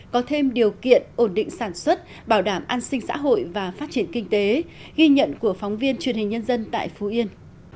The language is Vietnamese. có thêm điều kiện ổn định sản xuất bảo đảm an sinh xã hội và phát triển kinh tế ghi nhận của phóng viên truyền hình nhân dân tại phú yên